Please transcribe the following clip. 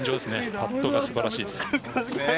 パットが素晴らしいです。